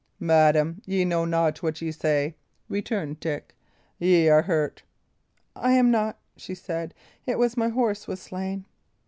"Madam, ye know not what ye say," returned Dick. "Y' are hurt" "I am not," she said. "It was my horse was slain."